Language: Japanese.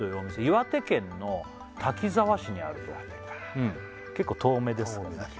岩手県の滝沢市にある結構遠目ですね